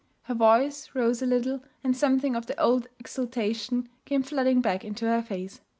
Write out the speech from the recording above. Her voice rose a little, and something of the old exultation came flooding back into her face.